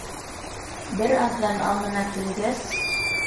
Бер аҙҙан аңына килгәс: